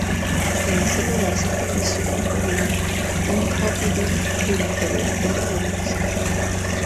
En este lugar se estableció un poblado, un "oppidum" durante la Edad del Bronce.